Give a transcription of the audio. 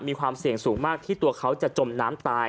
มีความเสี่ยงสูงมากที่ตัวเขาจะจมน้ำตาย